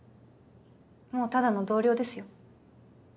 もうただの同僚ですよ。